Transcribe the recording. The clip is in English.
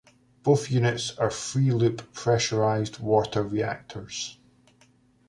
Both units are three-loop pressurized water reactors.